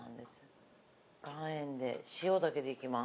岩塩で塩だけでいきます。